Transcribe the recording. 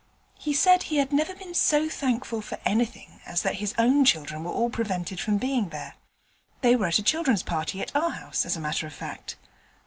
He said he never had been so thankful for anything as that his own children were all prevented from being there: they were at a children's party at our house, as a matter of fact.